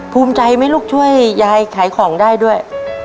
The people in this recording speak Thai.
ภูมิใจไหมลูกช่วยยายขายของได้ด้วย